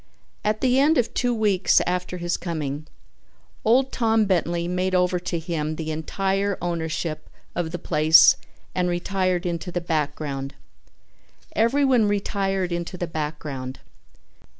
At the end of two weeks after his coming, old Tom Bentley made over to him the entire ownership of the place and retired into the background. Everyone retired into the background.